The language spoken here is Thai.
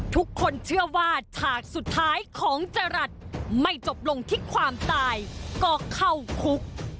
ทุกคนเชื่อว่าฉากสุดท้ายของจรัสไม่จบลงที่ความตายก็เข้าคุก